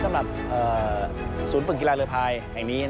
สำหรับศูนย์ฝึกกีฬาเรือพายแห่งนี้